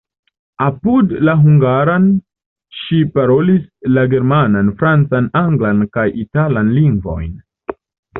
Apud la hungaran ŝi parolis la germanan, francan, anglan kaj italan lingvojn.